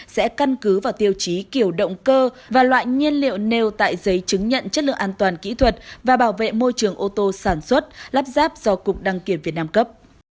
sẽ căn cứ vào tiêu chí kiểu động cơ và loại nhiên liệu nêu tại giấy chứng nhận chất lượng an toàn kỹ thuật và bảo vệ môi trường ô tô sản xuất lắp ráp do cục đăng kiểm việt nam cấp